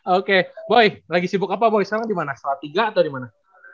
oke boy lagi sibuk apa soal tiga atau dimana